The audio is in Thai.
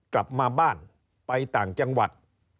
กลับมาบ้านไปต่างจังหวัด